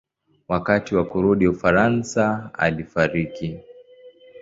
Wakati wa kurudi Ufaransa alifariki.